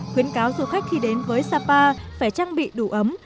khuyến cáo du khách khi đến với sapa phải trang bị đủ ấm